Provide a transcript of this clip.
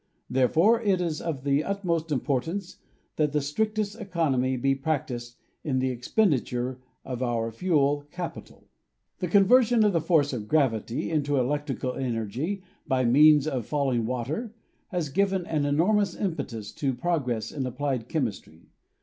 Therefore, it is of the utmost importance that the strictest economy be practiced in the expenditure of our fuel capital. The conversion of the force of gravity into electrical energy by means of falling water has given an enormous impetus to progress in applied chemistry.